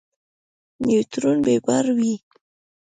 نیوترون بې بار وي.